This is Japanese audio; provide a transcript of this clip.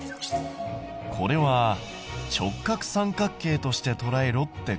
これは直角三角形としてとらえろってことだな。